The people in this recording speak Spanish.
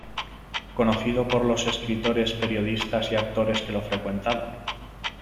Conocido por los escritores, periodistas y actores que lo frecuentaban.